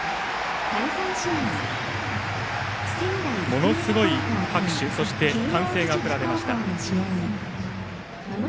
ものすごい拍手そして歓声が送られました。